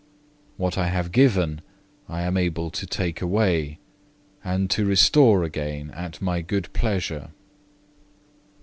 What I have given I am able to take away, and to restore again at My good pleasure.